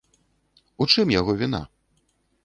У чым яго віна?